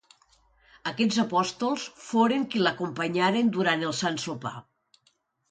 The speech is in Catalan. Aquests apòstols foren qui l'acompanyaren durant el Sant Sopar.